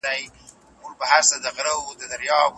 د عوامو مجلس څنګه کار کوي؟